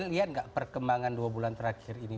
lihat nggak perkembangan dua bulan terakhir ini